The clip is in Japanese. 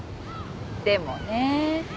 でもね。